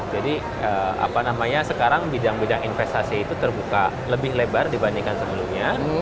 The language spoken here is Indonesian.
apa namanya sekarang bidang bidang investasi itu terbuka lebih lebar dibandingkan sebelumnya